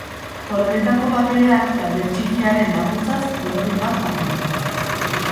Koloretako paperean, plater txikiaren laguntzaz, borobil bat margotu.